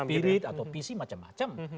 spirit atau pc macam macam